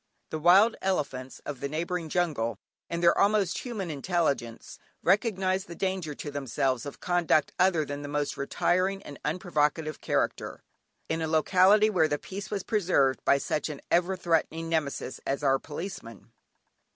The wild elephants of the neighbouring jungle, in their almost human intelligence, recognised the danger to themselves of conduct other than the most retiring and unprovocative character in a locality where the peace was preserved by such an ever threatening Nemesis as our Policeman.